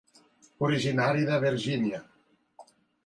Originari de Virgínia.